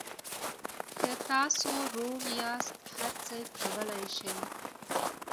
که تاسو روغ یاست هر څه کولای شئ.